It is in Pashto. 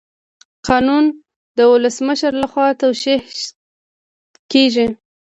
قانون د ولسمشر لخوا توشیح کیږي.